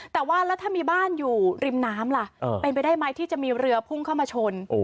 แต่ว่าแล้วถ้ามีบ้านอยู่ริมน้ำล่ะเป็นไปได้ไหมที่จะมีเรือพุ่งเข้ามาชน